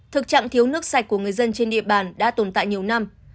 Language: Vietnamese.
thực trạng thiếu nước sạch của người dân trên địa bàn đã tồn tại nhiều năm